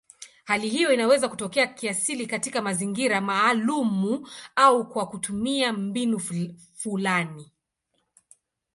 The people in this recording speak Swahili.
Hali hiyo inaweza kutokea kiasili katika mazingira maalumu au kwa kutumia mbinu fulani.